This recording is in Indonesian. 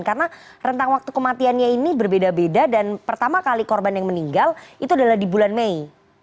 karena rentang waktu kematiannya ini berbeda beda dan pertama kali korban yang meninggal itu adalah di bulan mei